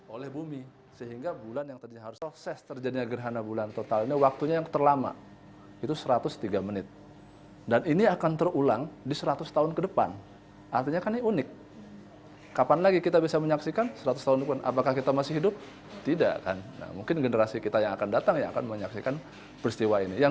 oleh bumi sehingga bulan yang terjadi harus sukses terjadinya gerhana bulan total ini waktunya yang terlama